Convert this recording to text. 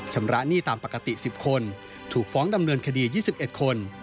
ชำระหนี้ตามปกติ๑๐คนถูกฟ้องดำเนินคดี๒๑คน